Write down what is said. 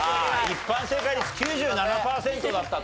一般正解率９７パーセントだったという事ですね。